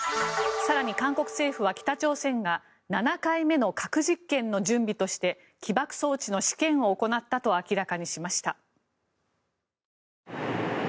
更に韓国政府は北朝鮮が７回目の核実験の準備として起爆装置の試験を行ったと明らかにしました。